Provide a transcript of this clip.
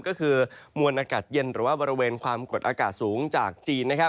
ก็คือมวลอากาศเย็นหรือว่าบริเวณความกดอากาศสูงจากจีน